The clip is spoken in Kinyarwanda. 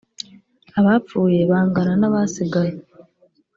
abapfuye bangana nabasigaye.